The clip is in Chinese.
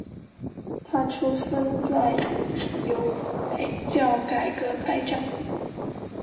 他出生在一个犹太教改革派家庭。